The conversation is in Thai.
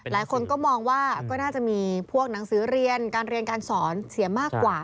หลายคนก็มองว่าก็น่าจะมีพวกหนังสือเรียนการเรียนการสอนเสียมากกว่า